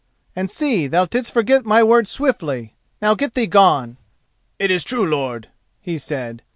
and see: thou didst forget my word swiftly! Now get thee gone!" "It is true, lord," he said.